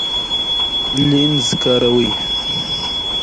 لینز کاروئ؟